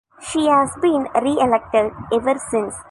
She has been reelected ever since.